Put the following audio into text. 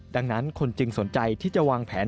ดังนั้นคนจึงสนใจที่จะวางแผน